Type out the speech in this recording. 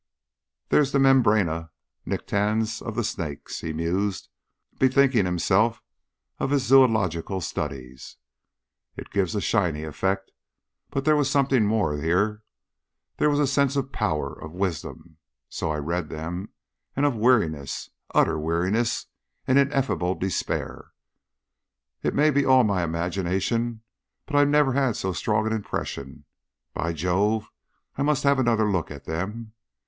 There's the membrana nictitans of the snakes," he mused, bethinking himself of his zoological studies. "It gives a shiny effect. But there was something more here. There was a sense of power, of wisdom so I read them and of weariness, utter weariness, and ineffable despair. It may be all imagination, but I never had so strong an impression. By Jove, I must have another look at them!"